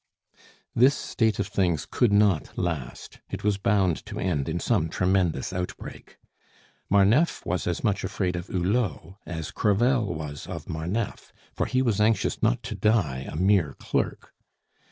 This state of things could not last; it was bound to end in some tremendous outbreak. Marneffe was as much afraid of Hulot as Crevel was of Marneffe, for he was anxious not to die a mere clerk.